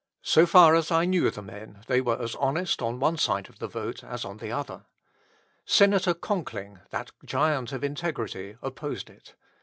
So far as I knew the men, they were as honest on one side of the vote as on the other. Senator Conkling, that giant of integrity, opposed it.